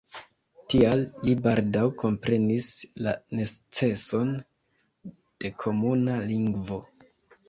Tial li baldaŭ komprenis la neceson de komuna lingvo.